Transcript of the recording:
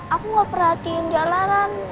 aku gak perhatiin jalanan